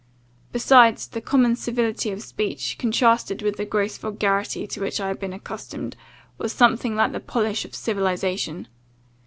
Besides, the common civility of speech, contrasted with the gross vulgarity to which I had been accustomed, was something like the polish of civilization.